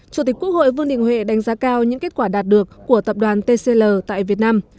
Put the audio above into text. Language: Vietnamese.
chủ tịch quốc hội vương đình huệ đánh giá cao những kết quả đạt được của tập đoàn tcl tại việt nam